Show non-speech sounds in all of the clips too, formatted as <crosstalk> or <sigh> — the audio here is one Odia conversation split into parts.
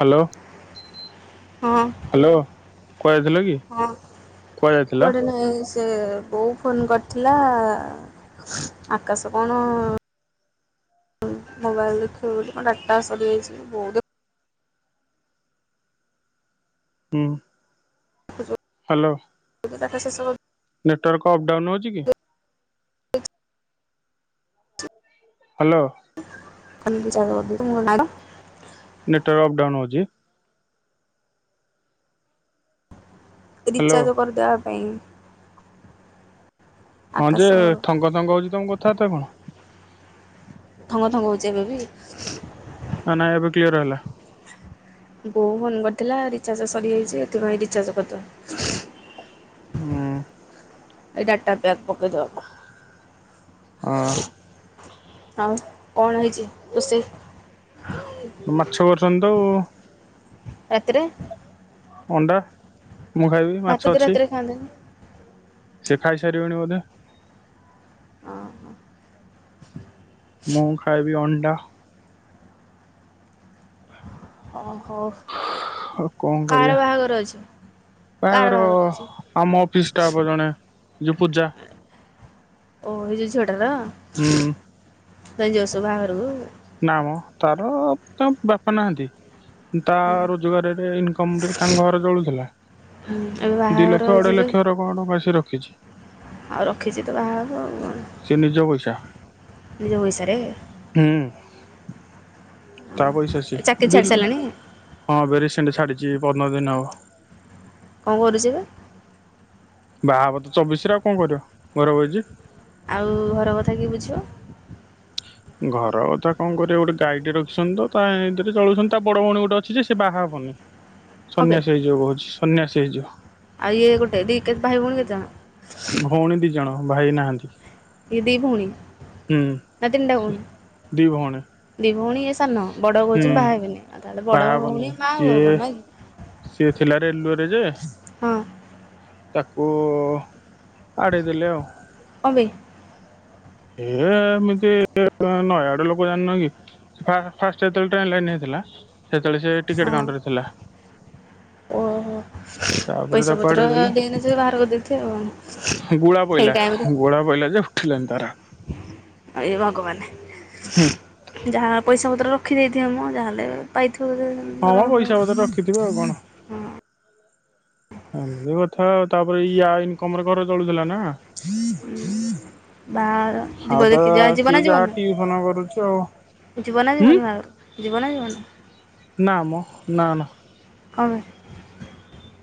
ହ୍ୟାଲୋ। ହଁ ହ୍ୟାଲୋ କୁଆଡ଼େ ଥିଲ କି? କୁଆଡ଼େ ଯାଇଥିଲ? ସେ ବୋଉ ଫୋନ୍ କରିଥିଲା ଆକାଶ କଣ ମୋବାଇଲ ଦେଖିବ ବୋଲି କଣ ଡାଟା ସରିଯାଇଛି। ବୋଉ ଦେ ହୁଁ ଦେଖୁଛି ହ୍ୟାଲୋ। <unintelligible> ଡାଟା ଶେଷ ହଉ ନେଟୱାର୍କ କ ଅପ୍ ଡାଉନ୍ ହଉଛି କି? ହ୍ୟାଲୋ। <unintelligible> ନେଟୱର୍କ ଅପ୍ ଡାଉନ ହଉଛି। ହ୍ୟାଲୋ ରିଚାର୍ଜ କରିଦେବା ପାଇଁ। ହଁ ଆକାଶ ଯେ ଥଙ୍ଗ ଥଙ୍ଗ ହଉଛି ତମ କଥାବାର୍ତ୍ତା କଣ? ଥଙ୍ଗ ଥଙ୍ଗ ହଉଛି ଏବେ ବି। ହଁ ନାଇଁ ଏବେ କ୍ଲିୟର ହେଲା। ବୋଉ ଫୋନ୍ କରିଥିଲା ରିଚାର୍ଜ ସରିଯାଇଛି ଏଥିପାଇଁ ରିଚାର୍ଜ କରିଦବୁ। ହୁଁ। ଏଇ ଡାଟା ପେକ ପକେଇ ଅ ଦେବା ଆଉ କଣ ହେଇଛି ରୋଷେଇ? ତ ମାଛ କରିଛନ୍ତି ତ ଆଉ। ରାତିରେ ଅଣ୍ଡା, ମୁଁ ଖାଇବିନି ଭାତ ମାଛ ତ ଅଛି। ରାତିରେ ଖାଆନ୍ତିନି ସେ ଖାଇସାରିବେଣି ବୋଧେ। ଓହୋ ମୁଁ ଖାଇବି ଅଣ୍ଡା। ଓହୋ। ଆଉ କଣ କାର କରିବା ବାହାଘର ଅଛି? ବାହାଘର, ଆମ ଅଫିସ ଷ୍ଟାପ ର ଜଣେ ଯଉ ପୂଜା ଓ ଏଇ ଯ ଝିଅ ଟାର ହୁଁ। <unintelligible> ବାହାଘରକୁ। ନାମ ତାର ତା ବାପା ନାହାନ୍ତି। ତା ହୁଁ ରୋଜଗାରରେ ଇନକମ ରେ ତାଙ୍କ ଘର ଚଳୁଥିଲା। ହୁଁ ଏବେ ଦି ବାହାଘର ଲକ୍ଷ ହେଇଛି ଅଢେଇ ଯୋଉ ଲକ୍ଷ ର କଣ <unintelligible> ରଖିଛି। ଆଉ ରଖିଛି ତ ବାହାହବ ଆଉ କଣ। ସେ ନିଜ ପଇସା। ନିଜ ପଇସାରେ ହୁଁ। ତା ପଇସା ସିଏ। ଚାକିରି ଛାଡ଼ି ଦିଲୁ ସାରିଲାଣି ହଁ, ଏବେ ରିସେଣ୍ଟ ଛାଡିଛି ପନ୍ଦର ଦିନ ହବ। କଣ କରୁଛି ଏବେ? ବାହାହବ ତ ଚବିଶ ରେ, ଆଉ କଣ କରିବ? ଘରେ ବଇଚି। ଆଉ ଘର କଥା କିଏ ବୁଝିବ? ଘର କଥା କଣ କରିବା, ଗୋଟେ ଗାଇଟେ ରଖିଛନ୍ତି ତ, ତା ଏଇଁଥିରେ ଚଳଉଛନ୍ତି। ତା ବଡ଼ ଭଉଣୀ ଗୋଟେ ଅଛି ଯେ, ସେ ବାହା ହବନି। ହଁ। ସନ୍ନ୍ୟାସୀ ହେଇଯିବ କହୁଛି। ସନ୍ନ୍ୟାସୀ ହେଇ ଯିଅ। ଆଉ, ଗୋଟେ ଦେଇ କେତ୍ ଭାଇ ଭଉଣୀ କେତେ ଜଣ? ଭଉଣୀ ଦି ଜଣ, ଭାଇ ନାହାଁନ୍ତି। ଇଏ ଦି ଭଉଣୀ! ନା ତିନ୍ ଟା ଦି ଭଉଣୀ। ଭଉଣୀ ଦି ଭଉଣୀ ଇଏ ସାନ, ବଡ କହୁଛି, ହୁଁ ମୁଁ ବାହା ହେବନି। ଆଉ ତା, ହେଲେ ବାହା ବଡ ହବନି ଭଉଣୀ ମା ଆଉ ସିଏ କଣ, ନାଇକି ସିଏ ଥିଲା, ରେଲୱେୟରେ ଯେ ହଁ ତାକୁ-ଉ ଆଡ଼େଇ ଦେଲେ ଆଉ। କଣ ପେ? ଏ ହେମିତି ନୟାଗଡ ଲୋକ ଜାଣିନ କି! ଫା ଫାଷ୍ଟ ଯେତେବେଳେ ଟ୍ରେନ୍ ଲାଇନ୍ ହେଇଥିଲା, ସେତେବେଳେ ସେ ଟିକେଟ୍ ହଁ କାଉଣ୍ଟରେ ଥିଲା। ଓହୋ! ତାପରେ ପଇସା ତାକୁ ପତ୍ର ଆଡେଇ ଦେଲେ ଦେଇନ ନଥିବେ, ବାହାର କରିଦେଇଥିଏ ଆଉ। ଆଉ କଣ? ଗୁଳା ପଇଲା। ଗୋଳା ପଇଲା ଯେ ଉଠିଲାନି ତାର। ଆ ଇଏ ଭଗବାନେ ହୁଁ ଯାହା ପଇସା ପତ୍ର ରଖିଦେଇଥିବେ ମ! ଯାହାହେଲେ ପାଇଥିବ <unintelligible> ହଁ, ମଁ ପଇସା ଫରମା। ପତର୍ ରଖିଥିବି, ଆଉ କଣ? ହଁ ହଁ, ଏମିତି କଥା ଆଉ। ତା'ପରେ ୟା ଇନ୍କମ୍ ରେ ଘର ଚଳୁଥିଲା ନା! ବାହାଘର ହା, ଯିବ ତ ଦେଖି ଯା ଯିବ ନା ସିଏ ଯିବନି? ଯାହା ଟ୍ୟୁସନ କରୁଛ ଆଉ। ଯିବ ନା ହୁଁ ଯିବନି, ବାହାଘରୁ? ଯିବ ନା ଯିିବନି? ନାମ, ନା, ନା। କଣ ବେ?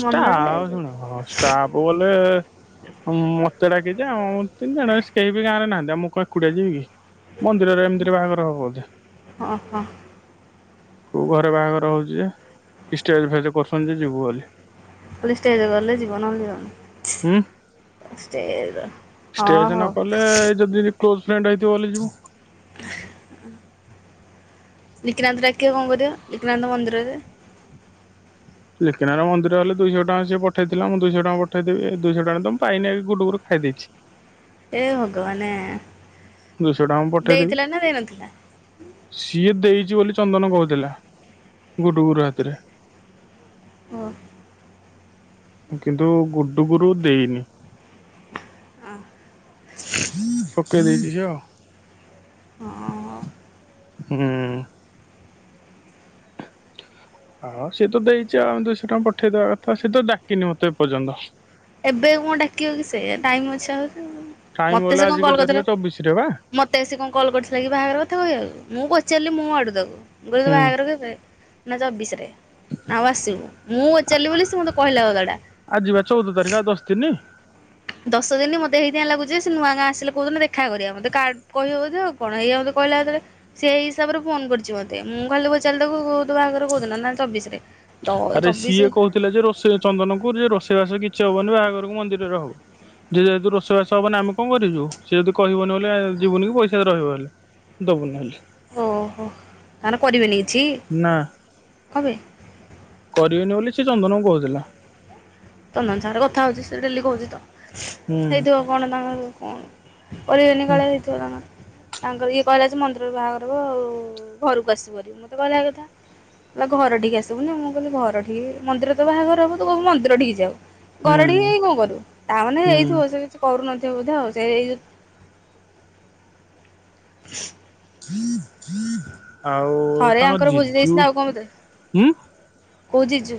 ଷ୍ଟା-ଆ ଶୁଣ ଷ୍ଟାଫ୍ ବଲେ ହଁ, ମତେ ଡାକିଚେଓଁ ତିନି ଜଣ, ସ୍ କେହି ବି ଗାଁରେ ନାହାନ୍ତି? ଆ ମୁଁ କଣ ଏକୁଟିଆ ଯିବି କି। ମନ୍ଦିରରେ ଏମିତିରେ ବାହାଘର ହବ ବଧେ! ହଁ ହଁ କୋଉ ଘରେ ବାହାଘର ହଉଛି ଯେ, ଇଷ୍ଟେଜ୍ ଫେଜ୍ କରୁଛନ୍ତି, ଯେ ଯିବୁ ବୋଲି। ଖାଲି ଷ୍ଟେଜ୍ ଗଲେ ଯିବ। ନ ହେଲେ ହୁଁ ଯିବନି। ଷ୍ଟେ ର, ଷ୍ଟେଜ ହଁ ନ ହୋ। କଲେ ଯଦି ବି କ୍ଲୋଜ୍ ଫ୍ରେଣ୍ଡ୍ ହେଇ ଥିବ, ବଲେ ଯିବୁ। ହ ଲିକିନାନ୍ତ ଡାକିବ କନ କରିବ? ଲିକିନାନ୍ତ ମନ୍ଦିରରେ ଲିକିନାର ମନ୍ଦିର ହେଲେ, ଦୁଇଶହ ଟଙ୍କା ସେ ପଠେଇଥିଲା। ମୁଁ ଦୁଇଶହ ଟଙ୍କା ପଠେଇ ଦେବି। ଏଇ ଦୁଇଶହ ଟଙ୍କା ପାଇ ମୁଁ ପାଇନି, ଗୁଡ଼ୁ ଘରୁ ଖାଇ ଦେଇଛି। ଏ ଭଗବାନେ! ଦୁଇଶହ ଟଙ୍କା ମୁଁ ପଠେଇଦେବି। ଦେଇଥିଲା ନା ଦେଇନଥିଲା? ସିଏ ଦେଇଛି ବୋଲି, ଚନ୍ଦନ କହୁଥିଲା। ଗୁଡ଼ୁ ଗୁରୁ ହାତରେ ହ। କିନ୍ତୁ ଗୁଡୁ ଗୁରୁ ଦେଇନି। ହଁ ସୁକେ ଦେଇଛି ଝିଅ? ହଁ, ହଁ। ହୁଁ। ହଁ, ସିଏ ତ ଦେଇଚି ଆଉ। ଆମେ ଦୁଇଶହ ଟଙ୍କା ପଠେଇଦବା କଥା। ସେ ତ ଡାକିନି ମତେ ଏପର୍ଯ୍ୟନ୍ତ! ଏବେ କଣ ଡାକିବ କି ସେ? ଟାଇମ୍ ଅଛି ଆହୁରି। ଟାଇମ ମତେ ଗଲା ସେ କଣ ଆଜି କଲ କେତେ ତାରିଖ କରିଥିଲା? ଚବିଶ ରେ ବା। ମୋତେ ଆସି କଣ କଲ୍ କରିଥିଲା କି ବାହାଘର କଥା କହିଆକୁ, ମୁଁ ପଚାରିଲି ମୁଁ ମୋ ଆଡୁ ତାକୁ। ଗୁରୁ। ତୋ ହୁଁ। ବାହାଘର କେବେ? ନା ଚବିଶ ରେ ଆଉ ଆସିବୁ ମୁଁ ଅଚାରିଲି ବୋଲି ସେ ମୋତେ କହିଲା <unintelligible> ଆଜି ବା ଚଉଦ ତାରିଖ ଆଉ ଦଶ ଦିନ୍। ଦଶ ଦିନି ମତେ ହେଇତି ପାଇଁ ଲାଗୁଛି ସେ ନୂଆ ଗାଁ ଆସିଲେ କୋଉଦିନ ଦେଖା କରିବ ମୋତେ କାର୍ଡ କହିବ ବୋଧେ କଣ ଏଇଆ ମତେ କହିଲା ଯେତେଳେ ସେଇ ହିସାବରେ ଫୋନ କରିଛି ମତେ ମୁଁ ଖାଲି ପଚାରିଲି ତାକୁ କୁ ତୋ ବାହାଘର କୋଉଦିନ ନା ଚବିଶ ରେ। ତ ଆରେ ସିଏ କହୁଥିଲେ ଯେ ରୋଷେଇ ଚନ୍ଦନକୁ ଯେ ରୋଷେଇବାସ କିଛି ହବନି ବାହାଘରକୁ ମନ୍ଦିରରେ ହବ। ଯେ ଯେହେତୁ ରୋଷେଇ ବାସ ହବନା ଆମେ କଣ କରିବୁ ସିଏ ଯଦି କହିବନି ବୋଲେ ଯିବୁନି କି ପଇସା ରହିବ ହେଲେ। ଦବୁ ନହଲେ। ଓହୋ ତାହେଲେ କରିବେନି କିଛି। ନା। <inaudible> କରିବେନି ବୋଲି ସେ ଚନ୍ଦନ କୁ କହୁଥିଲା। ଚନ୍ଦନ ସାଙ୍ଗରେ କଥା ହଉଛି ସେ ଡେଲି କହୁଛି ତ ହୁଁ। ହେଇଥିବ କଣ ତାଙ୍କର କଣ କରିବେନି ହୁଁ କାଳେ ହେଇଥିବ ତାଙ୍କର। ତାଙ୍କର ଇଏ କହିଲା ଯେ ମନ୍ଦିର ରୁ ବାହାଘର ହବ ଆଉ ଘରକୁ ଆସିପରିବନି ମତେ କହିଲା ଏଇ କଥା। ନା ଘର ଠିକ ଆସିବୁନି ମୁଁ କହିଲି ଘରଠିକି ମନ୍ଦିର ରେ ତ ବାହାଘର ହବ ତୁ କବୁ ମିନ୍ଦିର ଠିକି ଯି ବି ଆଉ ହୁଁ ଘରଠି ଯାଇ କଣ କରିବୁ ତା ମାନେ ହୁଁ ଏଇଥିବ ସେ କିଛି କରୁନଥିବ ବୋଧେ ଆଉ ସେ ଏଇ <inaudible> ଆଉ ଥରେ ତମ ଆଙ୍କର ବୁଝି ଜିଜୁ ଦେଇଛନ୍ତି ଆଉ କଣ ବୋଧେ ହୁଁ। କୋଉ ଜିଜୁ।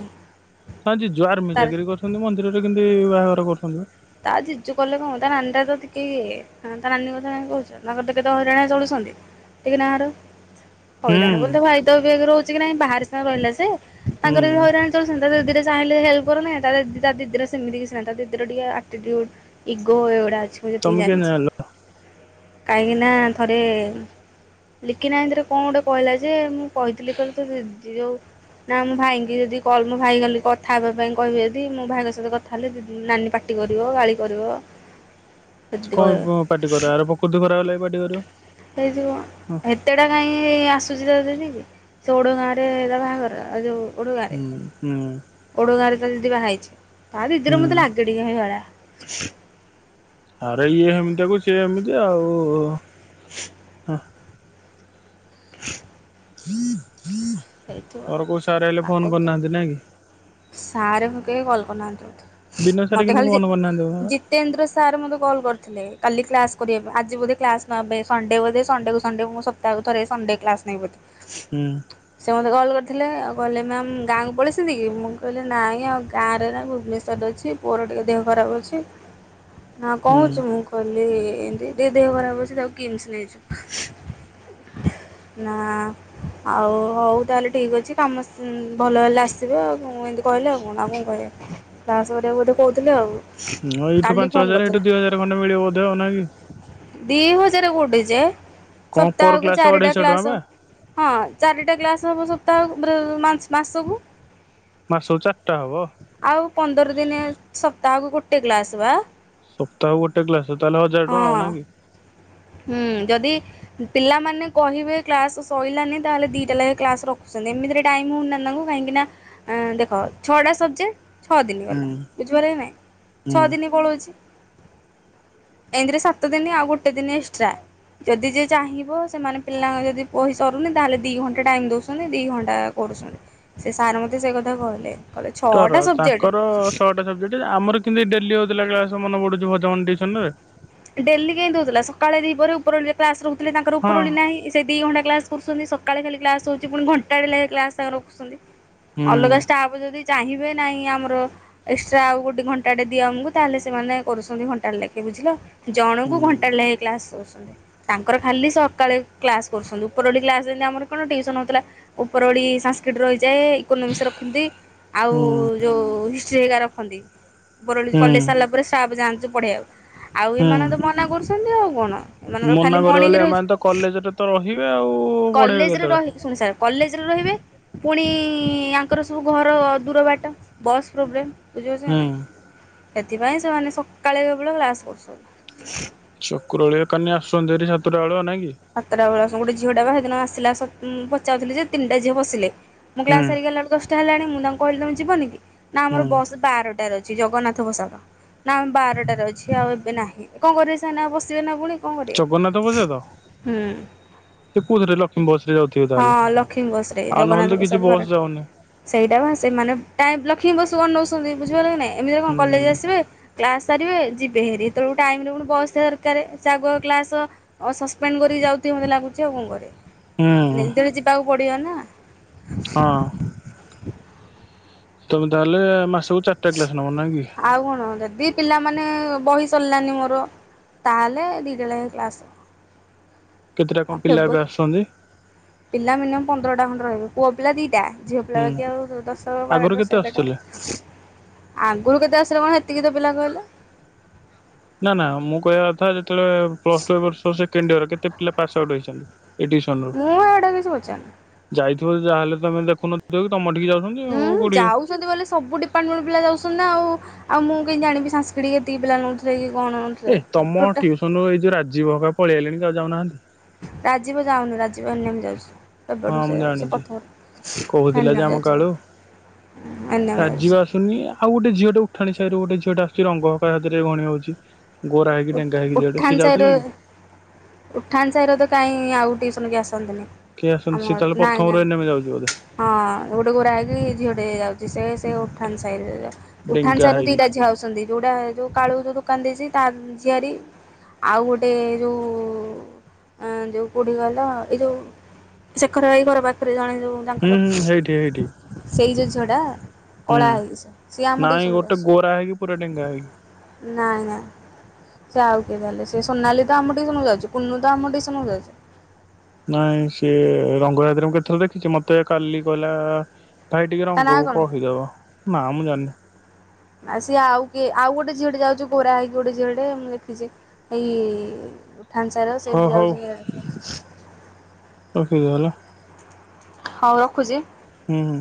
ହ ଜିଜୁ ଆର୍ମି ତାର ଚାକିରି କରିଛନ୍ତି ମନ୍ଦିରରେ କେମତି ବାହାଘର କରୁଛନ୍ତି। ତା ଜିଜୁ କଲେ କଣ ତା ନାନି ଟା ତ ଟିକେ ଇଏ ହଁ ତ ନାନୀ କଥା କାଇଁ କହୁଚୁ ତାଙ୍କର ତ କେତେ ହଇରାଣ ଚଳୁଛନ୍ତି ଟିକେ ନାଆରୁ ହୁଁ ହଇରାଣ ବୋଲି ତ ଭାଇ ତ ଏବେ ରହୁଛି କି ନାଇଁ ବାହାରେ ସି ରହିଲା ସେ ହୁଁ ତାଙ୍କର ବି ହଇରାଣ <unintelligible> ଚାହିଁଲେ ହେଲ୍ପ କରୁନା ତାର ଦି ଟା ଦିଦି ର ସେମିତି କିଛି ନାହିଁ ତା ଦିଦି ର ଟିକେ ଆଟିଚିଉଡ୍ ଇଗୋ ଏଗୁଡା ଅଛି ମୁଁ ଯେତିକି ତମେ କେମିତି ଜାନ୍ଛି। ଜାଣିଲ? କାହିଁକିନା ଥରେ ଲିକିନା ହାଥରେ କଣ ଗୋଟେ କହିଲା ଯେ ମୁଁ କହିଥିଲି କହିଲି ତୋ ଦିଦି ଯୋଉ ନା ମୋ ଭାଇଙ୍କି ଯଦି କଲ ମୋ ଭାଇ ଗଲ କଥା ହେବା ପାଇଁ କହିବୁ ଯଦି ମୋ ଭାଇଙ୍କ ସହିତ କଥା ହେଲେ ଦିଦି ନାନୀ ପାଟି ଟି କରିବ ଗାଳି କରିବ। ଏମିତି କ କହିବେ ବ ପାଟି କର ଆର ପକୃତି ଖରାପ୍ ହେଲେ ପାଟି କରିବ। ହେଇଯିବ ହଁ ହେତେଟା କାହିଁ ଆସୁଛି ତ ଦିଦି କି ସେ ଉଡ଼ ଗାଁ ରେ ତା ବାହାଘର ଆଉ ଯଉ ଓଡ ଗାଁ ରେ ହୁଁ ଓଡ ଗାଁ ରେ ତା ଦିଦି ବାହା ହେଇଛି ତା ଦିଦିର ହୁଁ ମତେ ଲାଗେ <unintelligible> ଆରେ ଇଏ ହେମ୍ତିଆକୁ ସିଏ ଏମିତି ଆଉ ହଁ <inaudible> <inaudible> ହେଇଥିବ। ତମର କୋଉ ସାର ହେଲେ ତାଙ୍କ ଫୋନ ଭିତରେ କରିନାହାନ୍ତି ନାଇଁ କି? ସାର୍ ଫ କେ କଲ କରି ନାହାନ୍ତି ମତେ। ବିନୟ ସାରେ କିନ୍ତୁ ଫୋନ କରିନାହାନ୍ତି <unintelligible> <unintelligible> ସାର୍ ମୋତେ କଲ୍ କରିଥିଲେ କାଲି କ୍ଲାସ କରିବା ପା ଆଜି ବୋଧେ କ୍ଲାସ ନେବେ ସଣ୍ଡେ ବୋଧେ ସଣ୍ଡେ କୁ ସଣ୍ଡେ ମୁଁ ସ ତାକୁ ଥରେ ଏଇ ସଣ୍ଡେ କ୍ଲାସ ନାଇଁ ବୋଧେ। ହୁଁ। ସେ ମୋତେ କଲ୍ କରିଥିଲେ ଆଉ କହିଲେ ମ୍ୟାମ୍ ଗାଁକୁ ପଳେଇଛନ୍ତି କି ମୁଁ କହିଲି ନାଇଁ ଆଉ ଗାଁରେ ନା ଭୁବନେଶ୍ୱରରେ ଅଛି। ପୁଅର ଟିକେ ଦେହ ଖରାପ ଅଛି ନା କଂ ହଉଚି ହୁଁ ମୁଁ କହିଲି ଏମତି ଟିକେ ଦେହ ଖରାପ ଅଛି ତାକୁ କିମ୍ସ ନେଇଛୁ। ନା ଆଉ ହଉ ତାହେଲେ ଠିକ ଅଛି କାମ ସ ଭଲ ହେଲେ ଆସିବେ ଆଉ କ ଏମିତି କହିଲେ ଆଉ କଣ ଆଉ କଣ କହିବେ। କ୍ଲାସ୍ କରିବାକୁ ବୋଧେ କହୁଥିଲେ ଆଉ। ହଁ ଏଇଠୁ କାଲି ପାଞ୍ଚ ଫୋନ୍ ହଜାର ହେଠୁ କରିଥିଲା ଦି ହଜାର ଖଣ୍ଡେ ମିଳିବ ବଧେ ଆଉ ନାଇ କି? ଦି ହଜାର କୋଠିଯେ କଣ ପର ସପ୍ତାହକୁ କ୍ଲାସ ଚାରିଟା ଅଢେଇଶହ ଟଙ୍କା କ୍ଲାସ। ବା ହଁ ଚାରିଟା କ୍ଲାସ ହବ। ସପ୍ତାହକୁ ମାସକୁ। ମାସକୁ ଚାରିଟା ହବ। ଆଉ ପନ୍ଦର ଦିନ ସପ୍ତାହକୁ ଗୋଟେ କ୍ଲାସ ବା। ସପ୍ତାହ ଗୋଟେ କ୍ଲାସ ତାହଲେ ହଜାର ଟଙ୍କା ହଁ ହଉନାଁ କି? ହୁଁ ଯଦି ପିଲାମାନେ କହିବେ କ୍ଲାସ ସରିଲାନି ତାହେଲେ ଦିଟା ଲେଖା କ୍ଲାସ ରଖୁଛନ୍ତି। ଏମିତି ଟାଇମ୍ ହଉନିନା ତାଙ୍କୁ କାହିଁକି ନା ଦେଖ ଛଟା ସ ଛଅ ଦିନ ହୁଁ ଗଲା। ବୁଝିପାରିଲେ ନାଇଁ ଛଅ ହୁଁ ଦିନ ପଳଉଛି। ଏଇତିରେ ସାତ ଦିନି ଆଉ ଗୁଟେ ଦିନେ ଏଷ୍ଟ୍ରା। ଯଦି ଯିଏ ଚାହିଁବ ସେମାନେ ପିଲାଙ୍କ ଯଦି ବହିସାରୁନି ତାହେଲେ ଦିଇ ଘଣ୍ଟା ଟାଇମ ଦଉଛନ୍ତି ଦି ଘଣ୍ଟା କରୁଛନ୍ତି। ସେ ସାର୍ ମତେ ସେ କଥା କହିଲେ କ ର ତାଙ୍କର ଶଅଟା ସବଜେକ୍ଟ ଆମର କେମତି ଡେଲି ହଉଥିଲା କ୍ଲାସ ମନେ ପଡୁଛି। ଭଜବନ ଟିଉସନ ରେ? ଡେଲି କେହି ଦଉଥିଲା ସକାଳେ ଦିପହରେ ଉପରବୋଳି କ୍ଲାସ ରହୁଥିଲେ ତାଙ୍କର ହଁ ଉପରଳି ନାହିଁ। ସେ ଦି ଘଣ୍ଟା କ୍ଲାସ୍ କରୁଛନ୍ତି ସକାଳେ ଖାଲି କ୍ଲାସ୍ ହେଉଛି ପୁଣି ଘଣ୍ଟାଟା କ୍ଲାସ୍ ରଖୁଛନ୍ତି। ହୁଁ ଅଲଗା ଷ୍ଟାଫ ଯଦି ଚାହିଁବେ ନାହିଁ ଆମର ଏକ୍ସଟ୍ରା ଆଉ ଗୋଟେ ଘଣ୍ଟାଟେ ଦିଆ ଆମକୁ ତାହେଲେ ସେମାନେ କରୁଛନ୍ତି ଘଣ୍ଟା ଲେଖେ ବୁଝିଲ। ଜଣଙ୍କୁ ହୁଁ ଘଣ୍ଟାଟେ ଲେଖା କ୍ଲାସ କରୁଛନ୍ତି। ତାଙ୍କର ଖାଲି ସକାଳେ କ୍ଲାସ କରୁଛନ୍ତି ଉପର ଓଳି କ୍ଲାସ ଆମର କଣ ଟୁସନ ହଉଥିଲା। ଉପର ଓଳି ସାଂସ୍କିଟି ରହିଯାଏ। ଇୋନୋମିସ ରଖନ୍ତି ଆଉ ହୁଁ ଯୋଉ ହିଷ୍ଟି ହେଇଗା ରଖନ୍ତି। ଉପର ଓଳି ହୁଁ କଲେଜ ସାରିଲା ସ୍ଟାପ ଯାଆନ୍ତି ସବୁ ପଢେଇଆକୁ ଆଉ ହୁଁ ଏମାନେ ତ ମନା କରୁଛନ୍ତି ଆଉ କଣ। ଏମାନଙ୍କର ଖାଲି ମନା କରିବ ମର୍ଣ୍ଣିଂ ଗଲେ। ରହୁଛି। ଏମାନେ ତ କଲେଜରେ ତ ରହିବେ ଆଉ ପଢେଇବେ କଲେଜରେ କେତେବେଳେ? ରହି ଶୁଣି ସାର୍ କଲେଜରେ ରହିବେ। ପୁଣି ଆଙ୍କର ସବୁ ଘର ଦୂର ବାଟ ବସ୍ ପ୍ରୋବ୍ଲେମ। ବୁଝିପାରୁଛ ହୁଁ ନାଇ ସେଥିପାଇଁ ସେମାନେ ସକାଳେ କେବଳ କ୍ଲାସ କରୁଛନ୍ତି। ଚକ୍ରବେଳିଆ କାନି ଆସୁଛନ୍ତି ହେରି ସାତଟାଳୁଆ ନାଇଁ କି? ସାତଟା ବେଳ ଗୋଟ ଝିଅ ଟା ବା ସେଦିନ ଆସା ପଚାଉଥିଲେ ଯେ ତିନିଟା ଝିଅ ବସିଲେ। ମୁଁ ହୁଁ କ୍ଲାସ୍ ସାରିଗଲା ବେଳକୁ ଦଷ୍ଟା ହେଲାଣି ମୁଁ ତାଙ୍କୁ କହିଲି ତମ ଯିବନି କି ନା ଆମର ହୁଁ ବାରଟାରେ ଅଛି। ଜଗନ୍ନାଥ ପୋଷାକ ନା ଆମେ ବାରଟାରେ ଅଛି ଆଉ ଏବେ ନାହିଁ କଣ କରିବେ ସନା ପସିବେ ନା ପୁଣି। କଣ କରିବେ ଜଗନ୍ନାଥ ବଛେ ତ ହୁଁ। ସେ କୋଉଥିରେ ଲକ୍ଷ୍ମୀ ବସ ରେ ଯାଉଥିବେ ହଁ ତାହେଲେ। ଲକ୍ଷ୍ମୀ ବସରେ ଆଉ ନହେଲେ ଜଗନ୍ନାଥ ତ କିଛି ପ୍ରସାଦ ଭର ବସ୍ ଯାଉନି ସେଇଟା ବା ସେମାନେ ଟାଇମ୍ ଲକ୍ଷ୍ମୀ ବସ୍ କୁ ଅନଉଛନ୍ତି ବୁଝିପାରିଲେ କି ନାଇଁ ଏମିତି କଣ ହୁଁ କଲେଜ ଆସିବେ। କ୍ଲାସ ସାରିବେ ଯିବେ ହେରି ଯେତେବେଳ ଟାଇମରେ ପୁଣି ବସ ଦରକାର ସେ ଆଗ କ୍ଲାସ ଅ ପେନ୍ କରି ଯାଉ ଥିବେ ମତେ ଲାଗୁଚି ଆଉ କଣ କରିବେ ନି ହୁଁ ଯେତେବେଳେ ଯିବାକୁ ପଡିବ ନା। ହଁ। ତମେ ତାହେଲେ ମାସକୁ ଚାରିଟା କ୍ଲାସ ନବ ନାଁ କି? ଆଉ କଣ ଯଦି ପିଲାମାନେ ବହି ସରିଲାନି ମୋର ତାହେଲେ ଦିଟା ଲେଖେ କ୍ଲାସ୍। କେତେଟା କଣ ପିଲା ଏବେଆସୁଛନ୍ତି। ପିଲାମାନେ ପନ୍ଦରଟା ଖଣ୍ଡେ ରହିବେ। ପୁଅ ପିଲା ଦିଟା ଝିଅ ପିଲା ହୁଁ ବାକି ଆଉ ଦସ ବାର ଆଗରୁ କେତେ ଏଗାରଟା। ଆସୁଥିଲେ? ଆଗରୁ କେତେ ଆସିଲା କଣ ସେତିକି ତ ପିଲା କହିଲ। ନା ନା ମୁଁ କହିବା କଥା ଯେତେବେଳେ ପ୍ଲସ ଟୁ ଏ ବର୍ଷ ସେକେଣ୍ଡ ୟଅର କେତେ ପିଲା ପାସ୍ ଆଉଟ୍ ହେଇଛନ୍ତି ହେଠି। ମୁଁ ହେଟା କିଛି ପଚାରିନି। ଯାଇଥିବ ଯାହା ହେଲେ ତମ ଦେୁଖନଥିବ କି ତମ ଟିକି ଯାଉଥିଲେ। ଉୁଁ ଯାଉଛନ୍ତି ବୋଇଲେ ସବୁ ଡିପାର୍ଟମେଣ୍ଟ ପିଲା ଯାଉଛନ୍ତି ନା ଆଉ। ଆଉ ମୁଁ କେମିତି ଜାଣିବି ସାଂସ୍କରିଟି ଏତିକି ପିଲା ନ ଉଥିଲେ କି କଣ? ନଉଥିଲେ ଏଇ ତମ ଟୋଟା ଟ୍ୟୁସନ ରୁ ଏଇ ଯୋଉ ରାଜୀବ ହକା ପଳେଇ ଆଲେଣି ଆଉ ଯାଉନାହାନ୍ତି। ରାଜୀବ ଯାଉନି ରାଜୀବ ଏନ୍ ଏମ୍ ଯାଉଚି। ହଁ କେବଠୁ ମୁଁ ସେ ଯାଉଚ। ସେ ଜାଣିଛି ପ୍ରଥମ ରେ କହୁଥିଲା ଏନ୍ ଯେ ଏମ୍ ଯାଉଚି ବା ଏନ୍ ଏମ୍। ରାଜିବ ଆସୁନି। ଆଉ ଗୋଟେ ଝିଅ ଟେ ଉଠାଣି ସାହିରୁ ଗୋଟେ ଝିଅ ଟେ ଆସୁଛି ରଙ୍ଗ। <unintelligible> ହରେ ଗଣି ହଉଛି। ଗୋରା ହୋଇକି ଉ ଡେଙ୍ଗା ହୋଇକି ଝିଅଟେ। ସେ ଯାଉଥିଲା କି? ଉଠାଣି ସାହିର ତ କାଇଁ ଆଉ ଟିଉସନ କେହି ଆସନ୍ତିନି? କିଏ ଆମ ଆସନ୍ତି, ସିଏ ଘର ତାହେଲେ ନାଇଁ ପ୍ରଥମରୁ ନାଇଁ ଏନ୍ ଏମ୍ ଯାଉଚି ବୋ ହଁ ଗୋଟେ ଗୋରା ହେଇକି ଝିଅଟେ ଯାଉଛି। ସେ ସେ ଉଠାନ ସାଇ ର। ଉଠାନ୍ ଡେଙ୍ଗା ସାହିରୁ ହେଇକି ଦିଟା ଝିଅ ଆଉଛନ୍ତି। ଯୋଉଟା ଯୋଉ କାଳୁ ଯୋଉ ଦୋକାନ ଦେଇଛି ତା ଝିଆରି। ଆଉ ଗୋଟେ ଯୋଉ ଆ ଯୋଉ କୋଉଠି କହିଲ? ଏଇ ଯୋଉ ଶେଖର ଭାଇ ଘର ପାଖରେ ଜଣେ ଯୋଉ ହୁଁ ତାଙ୍କର ହୁଁ ହେଇଠି ହେଇଠି ସେଇ ଯୋଉ ଝିଅଟା? ହୁଁ। କଳା ହେଇକି ସିଏ। ସିଏ ଆମ ନାଇଁ ଟିଉସନ୍ କୁ ଗୋଟେ ଗୋରା ହେଇକି ପୁରା ଡେଙ୍ଗା ହେଇକି। ଆସେ। ନାଇଁ ନାଇଁ। ସେ ଆଉ କିଏ ତାହେଲେ। ସେ ସୋନାଲି ତ ଆମ ଟ୍ୟୁସନକୁ ଯାଉଛି। କୁନୁ ତ ଆମ ଟ୍ୟୁସନକୁ ଯାଉଛି। ନାଇଁ ସିଏ ରଙ୍ଗ ସାଥିରେ ମୁଁ କେତେଥର ଦେଖିଛି। ମୋତେ କାଲି କହିଲା ଭାଇ ଟିକେ ତା ନାଁ ରଙ୍ଗକୁ କଣ? କହିଦବ। ନା ମୁଁ ଜାଣିନି। ନା ସିଏ ଆଉ କିଏ? ଆଉ ଗୋଟେ ଝିଅଟେ ଯାଉଛି ଗୋରା ହେଇକି ଗୋଟେ ଝିଅଟେ ମୁଁ ଦେଖିଛି। ଏଇ ଉଠାନ୍ ସାହି ର ସେ ହଁ ବି ହଉ ଯାଉଛି ଇଆଡେ। ରଖେ ଯ ହେଲା <unintelligible> ହଉ ରଖୁଛି। ହୁଁ ହୁଁ।